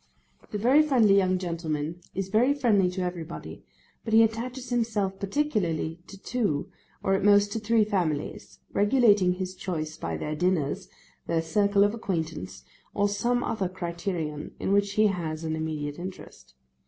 The very friendly young gentleman is very friendly to everybody, but he attaches himself particularly to two, or at most to three families: regulating his choice by their dinners, their circle of acquaintance, or some other criterion in which he has an immediate interest.